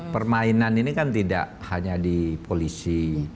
permainan ini kan tidak hanya di polisi